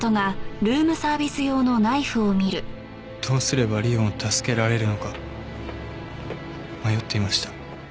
どうすれば莉音を助けられるのか迷っていました。